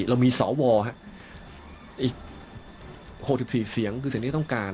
เรามีสวอีก๖๔เสียงคือสิ่งที่ต้องการ